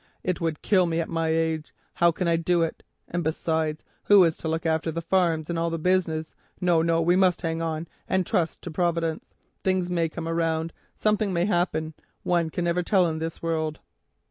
It would kill me at my age. How can I do it? And, besides, who is to look after the farms and all the business? No, no, we must hang on and trust to Providence. Things may come round, something may happen, one can never tell in this world."